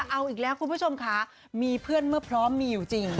เอาอีกแล้วคุณผู้ชมค่ะมีเพื่อนเมื่อพร้อมมีอยู่จริง